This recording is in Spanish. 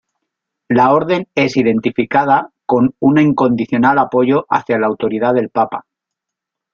La Orden es identificada con un incondicional apoyo hacia la autoridad del papa.